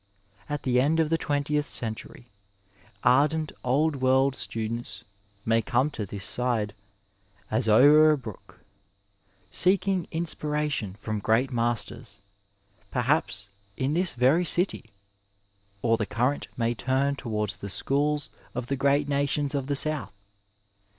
At the end of the twentieth century, ardent old world students may come to this side " as o'er a brook," seeking inspiration from great masters, perhaps in this very city ; or the current may turn towards the schools of the great nations of the south.